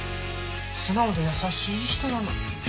素直で優しい人なの。